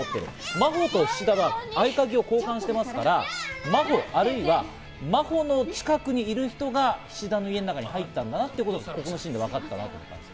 真帆と菱田は合鍵を交換していますから真帆あるいは真帆の近くにいる人が菱田の家に入ったのかなというのが、このシーンでわかった。